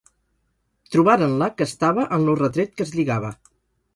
Trobaren-la que estava en lo retret que es lligava.